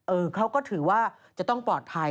เขาก็ถือว่าจะต้องปลอดภัย